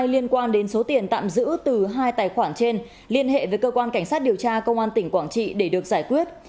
lên số tiền tạm giữ từ hai tài khoản trên liên hệ với cơ quan cảnh sát điều tra công an tỉnh quảng trị để được giải quyết